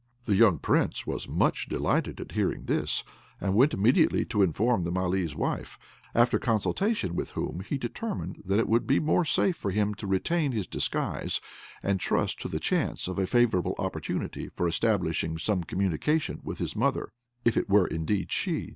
The young Prince was much delighted at hearing this, and went immediately to inform the Malee's wife; after consultation with whom he determined that it would be more safe for him to retain his disguise, and trust to the chance of a favourable opportunity for establishing some communication with his mother, if it were indeed she.